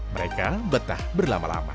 mereka betah berlama lama